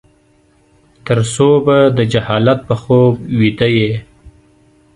ترڅو به د جهالت په خوب ويده يې ؟